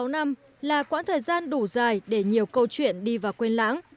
sáu năm là quãng thời gian đủ dài để nhiều câu chuyện đi và quên lãng